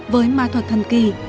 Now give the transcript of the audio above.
với ma thuật thần kỳ